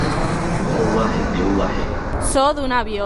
— Валлаһи-биллаһи!